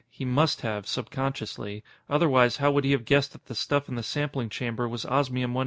He must have, subconsciously. Otherwise, how would he have guessed that the stuff in the sampling chamber was Osmium 187?